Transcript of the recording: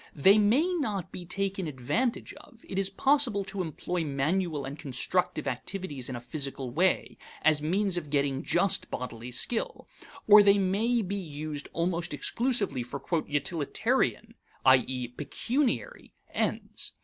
They may not be taken advantage of; it is possible to employ manual and constructive activities in a physical way, as means of getting just bodily skill; or they may be used almost exclusively for "utilitarian," i.e., pecuniary, ends.